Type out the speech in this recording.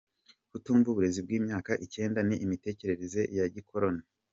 Kutumva uburezi bw’imyaka icyenda ni imitekerereze ya gikoroni